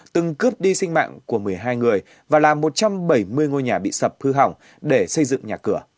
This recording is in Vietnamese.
từng cướp đi sinh mạng của một mươi hai người và làm một trăm bảy mươi ngôi nhà bị sập hư hỏng để xây dựng nhà cửa